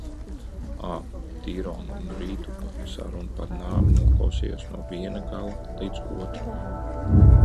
Ā, Tīrona un Rītupa sarunu par nāvi noklausījos no viena gala līdz otram.